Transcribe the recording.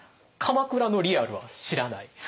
鎌倉のリアルは知らない。